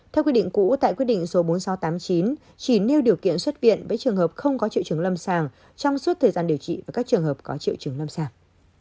theo quy định cũ tại quyết định số bốn nghìn sáu trăm tám mươi chín chỉ nêu điều kiện xuất viện với trường hợp không có triệu chứng lâm sàng trong suốt thời gian điều trị với các trường hợp có triệu chứng lâm sàng